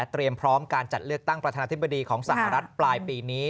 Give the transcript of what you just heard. พร้อมการจัดเลือกตั้งประธานาธิบดีของสหรัฐปลายปีนี้